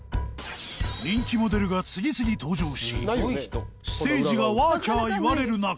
人気モデルが次々登場しステージがワーキャー言われる中